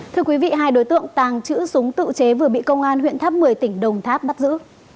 thưa quý vị hai đối tượng tàng trữ súng tự chế vừa bị công an huyện tháp một mươi tỉnh đồng tháp bắt giữ